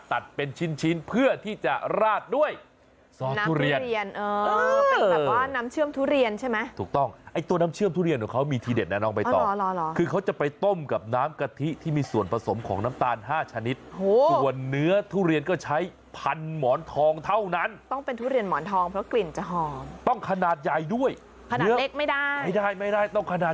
ถูกต้องครับก็มาปิ้งแบบนี้ปิ้งเสร็จถูกได้ที่